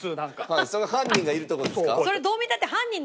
はいそれ犯人がいるとこですか？